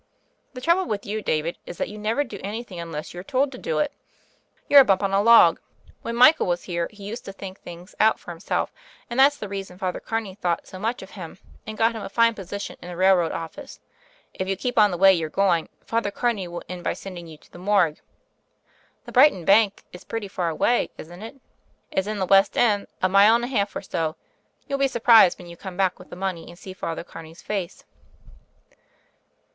The trouble with you, David, is that you never do anything un less you're told to do it. You're a bump on a log. When Michael was here, he used to think things out for himself, and that's the reason Father Carney thought so much of him, and got him a fine position in a railroad office. If you keep on the way you're doing, Father Camev will end by sending you to the Morgue." "The Brighton Bank is pretty far away, isn't it ?" "It's in the West End — a mile and a half or so. You'll be surprised when you come back with the money and see Father Carney's face."